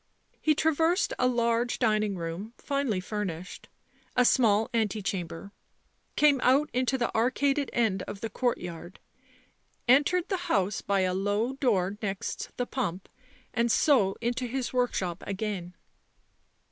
He traversed a large dining room, finely furnished, a small ante cham ber, came out into the arcaded end of the courtyard, entered the house by a low door next the pump and so into his workshop again.